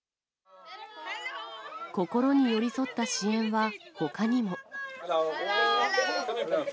心に寄り添った支援はほかにも。